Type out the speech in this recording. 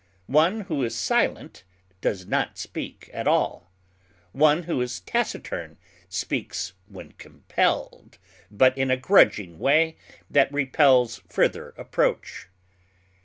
One who is silent does not speak at all; one who is taciturn speaks when compelled, but in a grudging way that repels further approach.